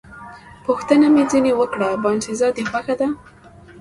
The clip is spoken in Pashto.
پوښتنه مې ځنې وکړل: باینسېزا دې خوښه ده؟